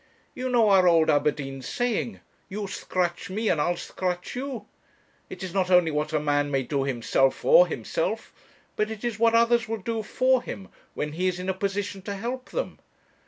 'You know our old Aberdeen saying, 'You scratch me and I'll scratch you.' It is not only what a man may do himself for himself, but it is what others will do for him when he is in a position to help them.